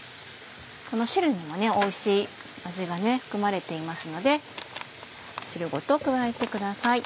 この汁にもおいしい味が含まれていますので汁ごと加えてください。